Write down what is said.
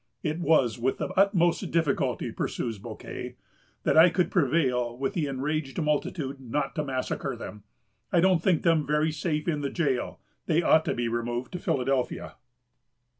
"It was with the utmost difficulty," pursues Bouquet, "that I could prevail with the enraged multitude not to massacre them. I don't think them very safe in the gaol. They ought to be removed to Philadelphia."